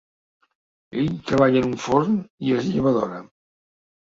Ell treballa en un forn i es lleva d’hora.